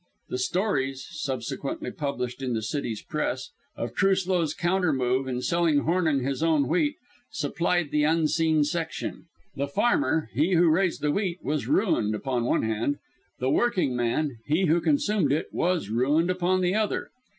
The stories (subsequently published in the city's press) of Truslow's countermove in selling Hornung his own wheat, supplied the unseen section. The farmer he who raised the wheat was ruined upon one hand; the working man he who consumed it was ruined upon the other.